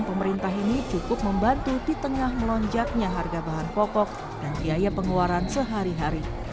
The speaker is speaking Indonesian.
pemerintah ini cukup membantu di tengah melonjaknya harga bahan pokok dan biaya pengeluaran sehari hari